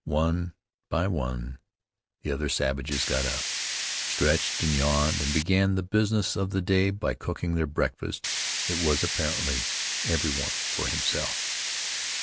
One by one the other savages got up, stretched and yawned, and began the business of the day by cooking their breakfast. It was, apparently, every one for himself.